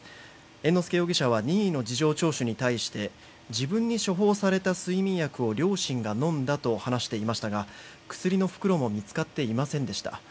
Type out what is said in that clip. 猿之助容疑者は任意の事情聴取に対して自分に処方された睡眠薬を両親が飲んだと話していましたが、薬の袋も見つかっていませんでした。